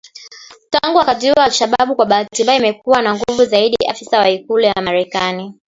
Tangu wakati huo al Shabab kwa bahati mbaya imekuwa na nguvu zaidi afisa wa ikulu ya Marekani